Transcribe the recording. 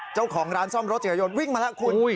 เจ้าของร้านซ่อมรถจักรยานยนต์วิ่งมาแล้วคุณ